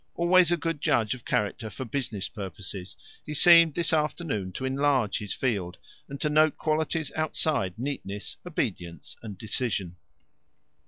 Always a good judge of character for business purposes, he seemed this afternoon to enlarge his field, and to note qualities outside neatness, obedience, and decision.